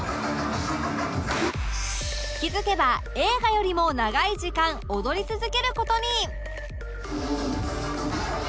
気づけば映画よりも長い時間踊り続ける事に